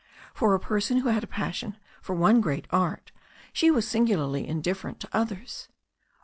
For a person who had a passion for one great art she was singularly indiffer* ent to others.